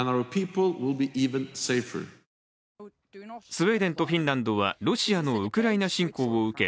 スウェーデンとフィンランドはロシアのウクライナ侵攻を受け